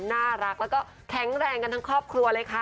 น่ารักแล้วก็แข็งแรงกันทั้งครอบครัวเลยค่ะ